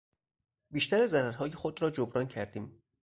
بیشتر ضررهای خود را جبران کردیم.